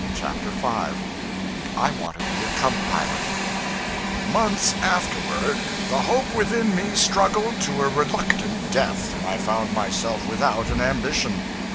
CHAPTER 5 I Want to be a Cub pilot MONTHS afterward the hope within me struggled to a reluctant death, and I found myself without an ambition.